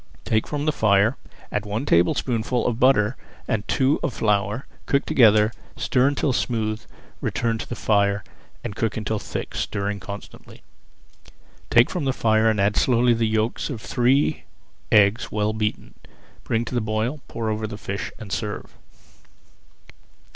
Take from the fire, add one tablespoonful of butter and two of flour, cooked together, stir until smooth, return to the fire, and cook until thick, stirring constantly. Take from the fire and add slowly the yolks of three eggs well beaten. Bring to the boil, pour over the fish, and serve.